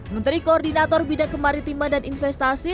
menteri koordinator bidang kemaritiman dan investasi